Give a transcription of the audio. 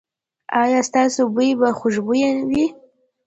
ایا ستاسو بوی به خوشبويه وي؟